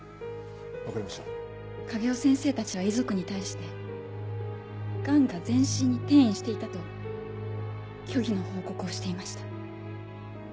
影尾先生たちは遺族に対してがんが全身に転移していたと虚偽の報告をしていました。